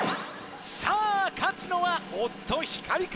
さあ勝つのは夫・光か？